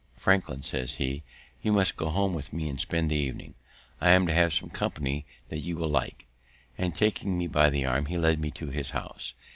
"Franklin," says he, "you must go home with me and spend the evening; I am to have some company that you will like;" and, taking me by the arm, he led me to his house.